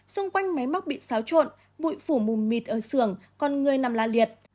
xung quanh máy móc bị xáo trộn bụi phủ mù mịt ở xưởng con người nằm la liệt